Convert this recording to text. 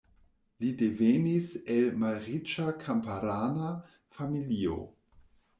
Li devenis el malriĉa kamparana familio.